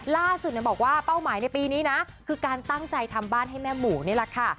ล่าสุดบอกว่าเป้าหมายในปีนี้นะคือการตั้งใจทำบ้านให้แม่หมูนี่แหละค่ะ